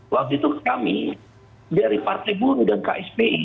waktu itu kami dari partai buruh dan kspi